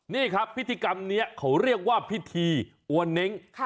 นี่ครับพิธีกรรมนี้เขาเรียกว่าพิธีอวนเน้ง